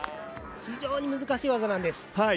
非常に難しい技なんです。